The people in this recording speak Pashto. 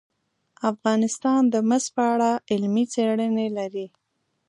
افغانستان د مس په اړه علمي څېړنې لري.